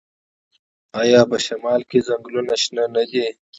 آیا په شمال کې ځنګلونه شنه نه دي؟